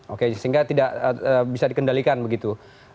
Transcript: oke sehingga tidak bisa dikendalikan begitu